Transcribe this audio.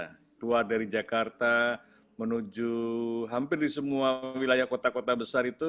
kita keluar dari jakarta menuju hampir di semua wilayah kota kota besar itu